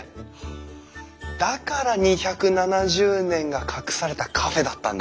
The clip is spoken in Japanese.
だから２７０年が隠されたカフェだったんだ。